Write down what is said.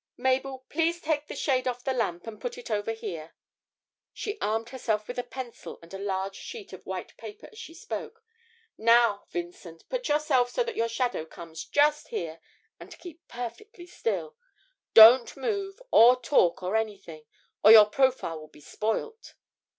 'Mabel, please take the shade off the lamp and put it over here.' She armed herself with a pencil and a large sheet of white paper as she spoke. 'Now, Vincent, put yourself so that your shadow comes just here, and keep perfectly still. Don't move, or talk, or anything, or your profile will be spoilt!'